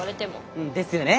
うんですよね。